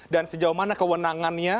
dan sejauh mana kewenangannya